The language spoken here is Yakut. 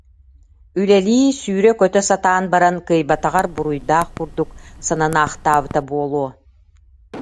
Үлэлии, сүүрэ-көтө сатаан баран, кыайбатаҕар буруйдаах курдук сананаахтаабыта буолуо